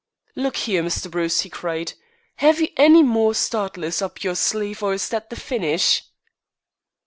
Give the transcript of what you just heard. "Look here, Mr. Bruce!" he cried, "have you any more startlers up your sleeve, or is that the finish?"